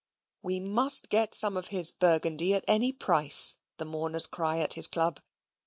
We must get some of his Burgundy at any price, the mourners cry at his club.